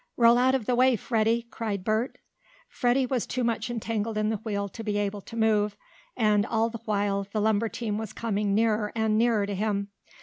"Roll out of the way, Freddie!" cried Bert. Freddie was too much entangled in the wheel to be able to move. And, all the while, the lumber team was coming nearer and nearer to him.